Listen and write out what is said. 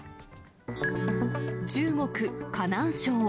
中国・河南省。